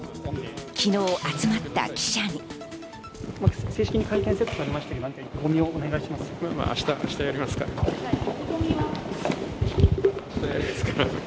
昨日集まった記者に。